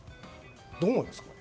どう思いますか？